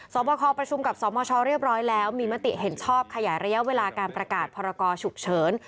บคประชุมกับสมชเรียบร้อยแล้วมีมติเห็นชอบขยายระยะเวลาการประกาศพรกรฉุกเฉิน